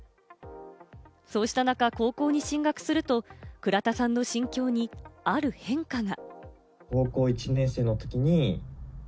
そうした中、高校に進学すると倉田さんの心境にある変化が。